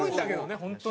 本当に。